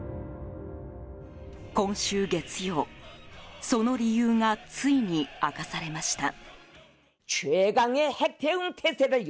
今週月曜、その理由がついに明かされました。